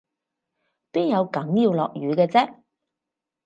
邊有梗要落雨嘅啫？